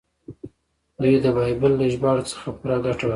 دوی د بایبل له ژباړو څخه پوره ګټه واخیسته.